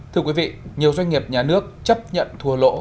thưa quý vị nhiều doanh nghiệp nhà nước chấp nhận thua lỗ